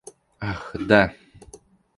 Ах, да!